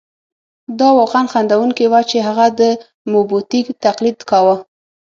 دا واقعاً خندوونکې وه چې هغه د موبوتیک تقلید کاوه.